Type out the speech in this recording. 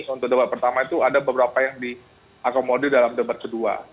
untuk debat pertama itu ada beberapa yang diakomodir dalam debat kedua